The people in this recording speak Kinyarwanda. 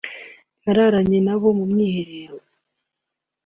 nararanye nabo mu myiherero